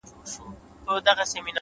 اراده د ستونزو له منځه لارې باسي،